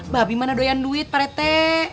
babi mana doyan duit pak rete